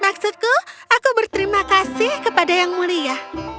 maksudku aku berterima kasih kepada yang mulia